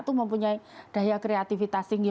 itu mempunyai daya kreativitas tinggi